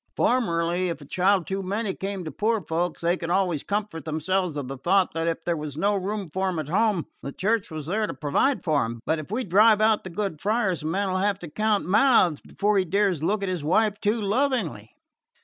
Formerly, if a child too many came to poor folk they could always comfort themselves with the thought that, if there was no room for him at home, the Church was there to provide for him. But if we drive out the good friars, a man will have to count mouths before he dares look at his wife too lovingly."